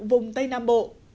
vùng tây nam bộ